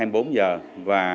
và lưu trữ đề thi